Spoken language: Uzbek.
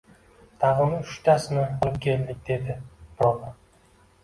— Tag‘in uchtasini olib keldik, — dedi birovi.